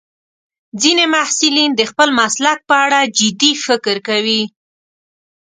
ځینې محصلین د خپل مسلک په اړه جدي فکر کوي.